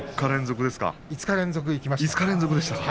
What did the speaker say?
５日連続いきました。